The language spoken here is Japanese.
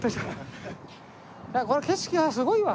この景色はすごいわ。